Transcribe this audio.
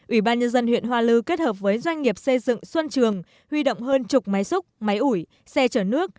ủy ban nhân dân huyện hoa lư kết hợp với doanh nghiệp xây dựng xuân trường huy động hơn chục máy xúc máy ủi xe chở nước